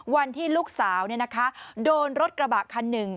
วันที่ลูกสาวโดนรถกระบะคันหนึ่ง